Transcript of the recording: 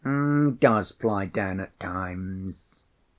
"He does fly down at times."